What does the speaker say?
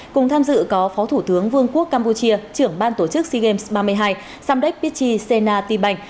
cùng tham dự có phó thủ tướng vương quốc campuchia trưởng ban tổ chức sea games ba mươi hai samdech pichy sena ti bành